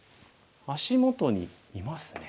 足元にいますね。